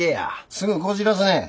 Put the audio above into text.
すぐこじらすねん。